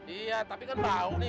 iya tapi kan bau nih